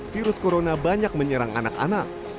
virus corona banyak menyerang anak anak